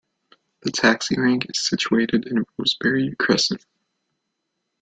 The taxi rank is situated in Rosebery Crescent.